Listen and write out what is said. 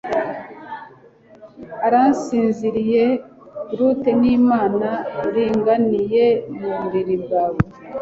Arasinziriye brute nimana uringaniye muburiri bwawe